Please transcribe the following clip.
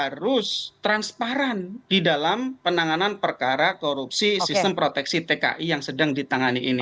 harus transparan di dalam penanganan perkara korupsi sistem proteksi tki yang sedang ditangani ini